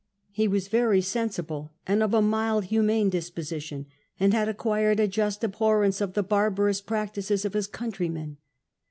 He was very sensible and of a mild humane disposition, and had acquired a just Jibhorrence of the barbarous j)ractices of his countrymen.